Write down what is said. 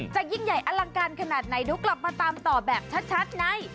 จะยิ่งใหญ่อลังการขนาดไหนเดี๋ยวกลับมาตามต่อแบบชัดใน